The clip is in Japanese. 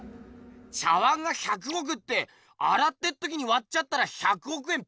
⁉茶碗が１００億ってあらってっときにわっちゃったら１００億円パーだかんな！